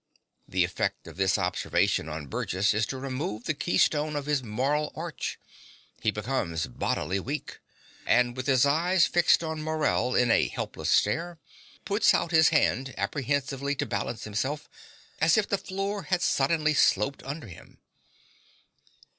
(The effect of this observation on Burgess is to remove the keystone of his moral arch. He becomes bodily weak, and, with his eyes fixed on Morell in a helpless stare, puts out his hand apprehensively to balance himself, as if the floor had suddenly sloped under him.